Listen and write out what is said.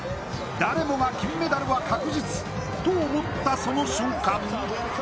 誰もが金メダルは確実と思った瞬間